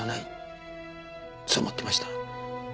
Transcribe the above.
そう思ってました。